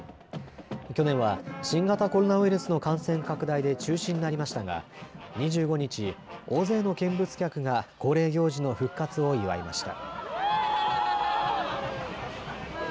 去年は新型コロナウイルスの感染拡大で中止になりましたが２５日、大勢の見物客が恒例行事の復活を祝いました。